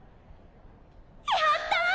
やったぁ！